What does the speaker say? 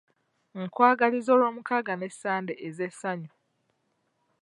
Nkwagaliza olw'omukaaga ne Sande ez'essannyu.